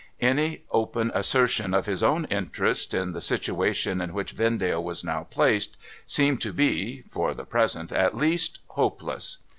Any open assertion of his own interests, in the situation in which Vendale was now placed, seemed to be (for the present at least) hopeless.